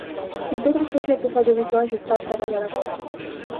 En que outros proxectos audiovisuais está a traballar agora?